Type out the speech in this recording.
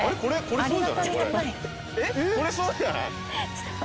これそうじゃない？